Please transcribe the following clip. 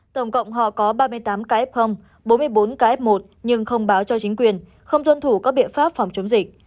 tổng cộng họ có ba mươi tám k f bốn mươi bốn k một nhưng không báo cho chính quyền không tuân thủ các biện pháp phòng chống dịch